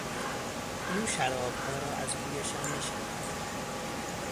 او شرابها را از بویشان میشناخت.